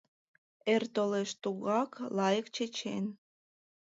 Эр толеш, тугак лайык, чечен.